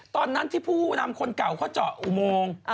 ตอนนั้นที่ผู้นำคนเก่าเขาเจาะอุโมง